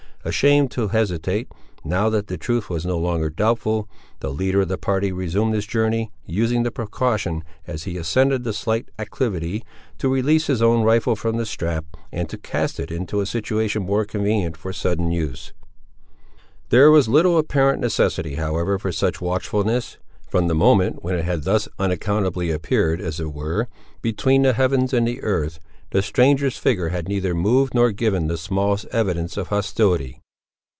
Ashamed to hesitate, now that the truth was no longer doubtful, the leader of the party resumed his journey, using the precaution, as he ascended the slight acclivity, to release his own rifle from the strap, and to cast it into a situation more convenient for sudden use. There was little apparent necessity, however, for such watchfulness. From the moment when it had thus unaccountably appeared, as it were, between the heavens and the earth, the stranger's figure had neither moved nor given the smallest evidence of hostility.